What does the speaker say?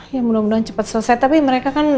ya mudah mudahan cepat selesai tapi mereka kan